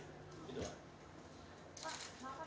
pak maaf tadi kata bapak kan